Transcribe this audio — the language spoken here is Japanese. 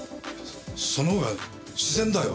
その方が自然だよ。